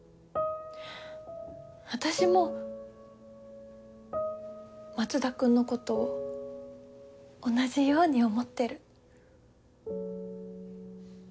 私も松田くんのこと同じように思ってる。